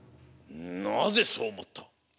なぜそうおもった？